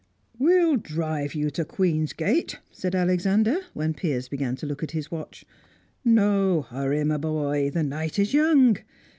"We'll drive you to Queen's Gate!" said Alexander, when Piers began to look at his watch. "No hurry, my boy! The night is young!